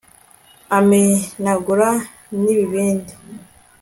amenagura n'ibibindi